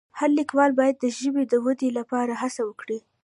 هر لیکوال باید د ژبې د ودې لپاره هڅه وکړي.